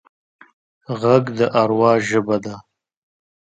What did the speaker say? غږ د اروا ژبه ده